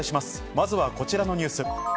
まずはこちらのニュース。